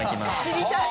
知りたい！